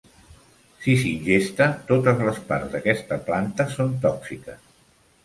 Si s'ingesta, totes les parts d'aquesta planta són tòxiques.